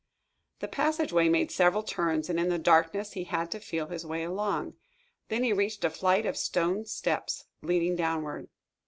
The passageway made several turns, and in the darkness he had to feel his way along. Then he reached a flight of stone steps, leading downward.